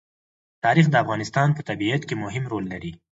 تاریخ د افغانستان په طبیعت کې مهم رول لري.